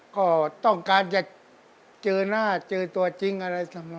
ก็ต้องการจะเจอหน้าเจอตัวจริงอะไรเสมอ